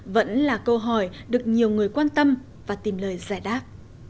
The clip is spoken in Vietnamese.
vẫn là câu hỏi được nhiều người quan tâm và tìm lời giải đáp